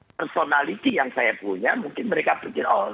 personality yang saya punya mungkin mereka pikir oh